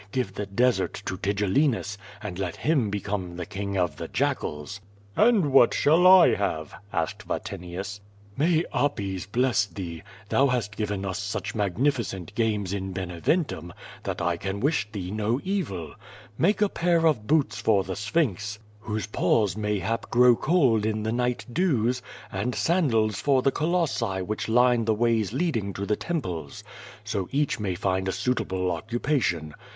Give the desert to Tigellinus and let him become the king of the jackals." "And what shall I have?" asked Vatinius. "May Apis bless thee! Thou hast given us such magnifi cent games in Beneventum, that I can wish thee no evil. Make a pair of boots for the Sphinx, whose paws mayhap grow cold in the night dews, and sandals for the Colossi which line the ways leading to the temples. So each may find a suitable occupation.